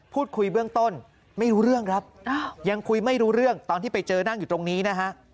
พูดคุยเบื้องต้นไม่รู้เรื่องครับยังคุยไม่รู้เรื่องตอนที่ไปเจอนั่งอยู่ตรงนี้นะฮะ